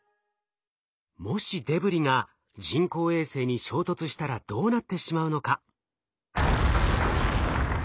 もしデブリが人工衛星に衝突したらどうなってしまうのか。